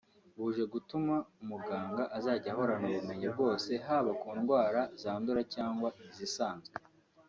buje gutuma umuganga azajya ahorana ubumenyi bwose haba ku ndwara zaduka cyangwa izisanzwe